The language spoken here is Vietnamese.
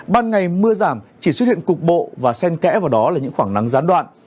ban ngày mưa giảm chỉ xuất hiện cục bộ và sen kẽ vào đó là những khoảng nắng gián đoạn